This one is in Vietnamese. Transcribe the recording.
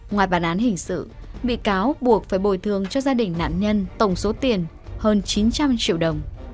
ngoài bản án hình sự bị cáo buộc phải bồi thường cho gia đình nạn nhân tổng số tiền hơn chín trăm linh triệu đồng